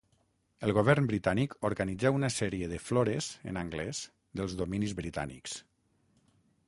El govern britànic organitzà una sèrie de flores en anglès dels dominis britànics.